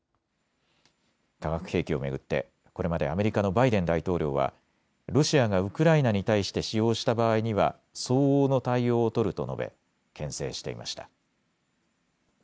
化学兵器を巡ってこれまでアメリカのバイデン大統領はロシアがウクライナに対して使用した場合には相応の対応を取ると述べけん制していました。